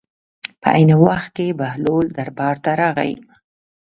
په عین وخت کې بهلول دربار ته راغی.